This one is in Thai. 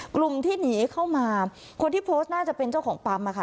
กลุ่มที่หนีเข้ามาคนที่โพสต์น่าจะเป็นเจ้าของปั๊มอะค่ะ